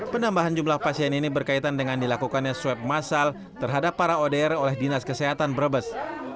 penambahan jumlah pasien ini berkaitan dengan dilakukannya swab masal terhadap para odr oleh dinas kesehatan brebes